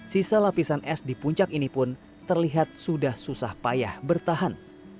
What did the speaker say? sisa lapisan es di puncak ini pun terlihat sudah susah payah bertahan